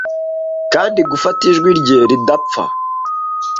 kandi gufata ijwi rye ridapfa